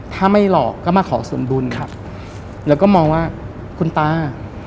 ถ้าไม่หลอกก็มาขอส่วนบุญครับแล้วก็มองว่าคุณตา